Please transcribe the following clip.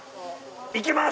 行きます！